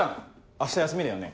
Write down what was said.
明日休みだよね。